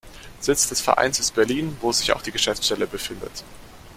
Sitz des Vereins ist Berlin, wo sich auch die Geschäftsstelle befindet.